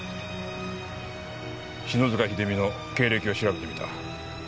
篠塚秀実の経歴を調べてみた。